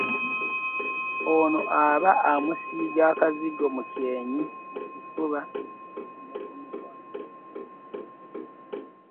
Eno aba amusiiga akazigo mu kyenyi, mu kifuba ne ku mikono.